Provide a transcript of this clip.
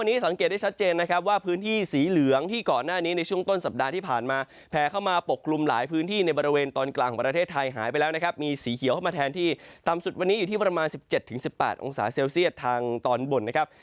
๗๑๘องศาเซลเซียตทางตอนบนนะครับ